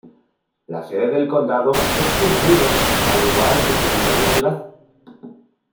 La sede del condado es Hood River, al igual que su mayor ciudad.